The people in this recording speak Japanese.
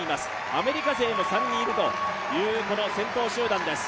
アメリカ勢も３人いるという先頭集団です。